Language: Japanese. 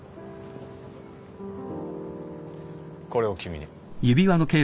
これを君に。